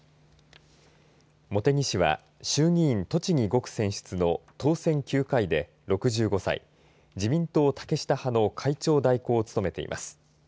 茂木氏は衆議院栃木５区選出の当選９回で６５歳自民党、竹下派の会長代行を務めています。